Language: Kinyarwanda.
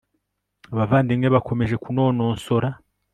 abavandimwe bakomeje kunonosora